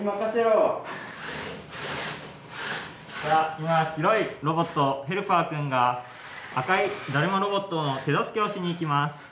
今白いロボットヘルパーくんが赤いだるまロボットの手助けをしにいきます。